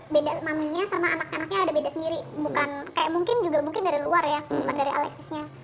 beda maminya sama anak anaknya ada beda sendiri bukan kayak mungkin juga mungkin dari luar ya bukan dari alexisnya